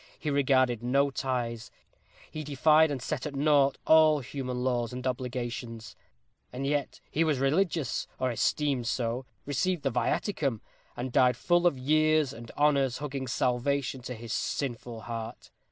He regarded no ties; he defied and set at naught all human laws and obligations and yet he was religious, or esteemed so received the viaticum, and died full of years and honors, hugging salvation to his sinful heart.